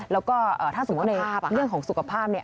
แล้วก็ถ้าสมมุติในเรื่องของสุขภาพเนี่ย